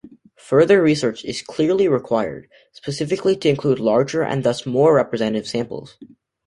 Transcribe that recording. Further research is clearly required, specifically to include larger and thus more representative samples.